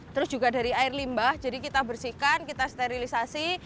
terus juga dari air limbah jadi kita bersihkan kita sterilisasi